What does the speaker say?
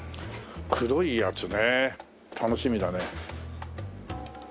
黒いやつね楽しみだね。